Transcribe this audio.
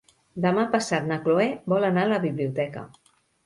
Demà passat na Cloè vol anar a la biblioteca.